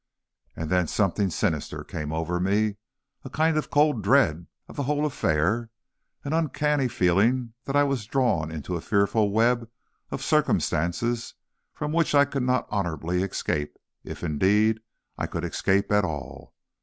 And then something sinister overcame me. A kind of cold dread of the whole affair; an uncanny feeling that I was drawn into a fearful web of circumstances from which I could not honorably escape, if, indeed, I could escape at all.